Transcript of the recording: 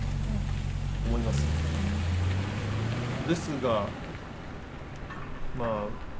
ですがまあ。